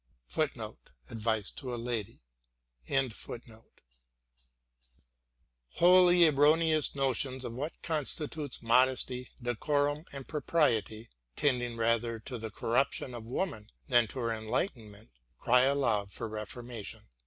* Wholly erroneous notions of what constitutes modesty, decorum, and propriety, tending rather to the corruption of woman than to her enlighten ment, cry aloud for reformation.